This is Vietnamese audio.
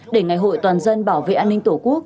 để ngày hội toàn dân bảo vệ an ninh tổ quốc